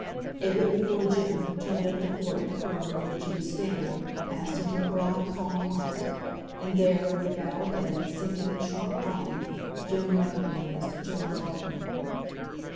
It went before Jem, turned up the court at the corner of which he was standing, passed into the broad, calm light; and there, with bowed head, sinking and shrunk body, Jem recognised John Barton.